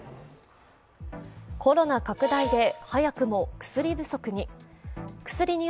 コロナ拡大で早くも薬不足に。